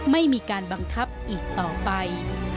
ไม่มีการบังคับอีกต่อไป